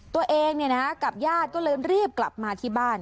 ตัวเองกับญาติก็เลยรีบกลับมาที่บ้าน